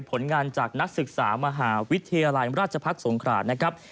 ผลงานจากนักศึกษามหาวิทยาลัยราชพักษ์สงขรานะครับ